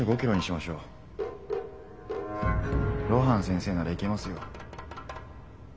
露伴先生ならいけますよ。